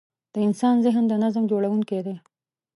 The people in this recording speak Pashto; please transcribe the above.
د انسان ذهن د نظم جوړوونکی دی.